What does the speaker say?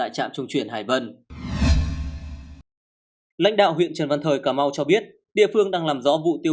chở theo đàn chó này